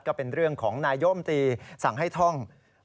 ก็เป็นเรื่องของนายมตีสั่งให้ท่อง